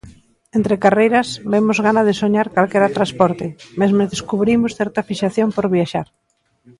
Entre carreiras vemos gana de soñar calquera transporte, mesmo descubrimos certa fixación por viaxar.